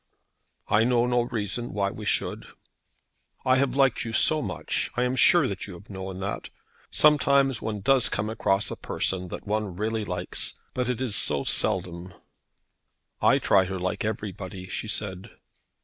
"I know no reason why we should." "I have liked you so much. I am sure you have known that. Sometimes one does come across a person that one really likes; but it is so seldom." "I try to like everybody," she said.